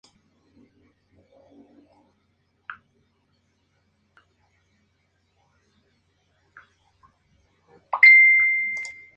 Terminó la guerra con el grado de mayor general.